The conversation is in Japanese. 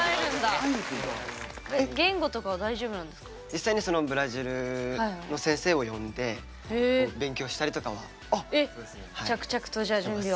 実際にそのブラジルの先生を呼んで勉強したりとかはしてます。